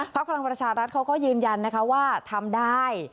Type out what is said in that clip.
พลังประชารัฐเขาก็ยืนยันนะคะว่าทำได้